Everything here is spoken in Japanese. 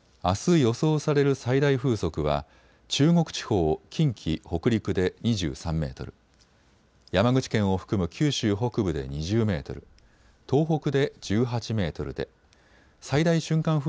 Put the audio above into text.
あす予想される最大風速は中国地方、近畿、北陸で２３メートル、山口県を含む九州北部で２０メートル、東北で１８メートルで最大瞬間